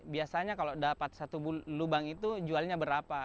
biasanya kalau dapat satu lubang itu jualnya berapa